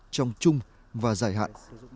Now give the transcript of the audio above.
trong chung và dài hạn